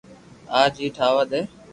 آج ھي ٺاوا ھي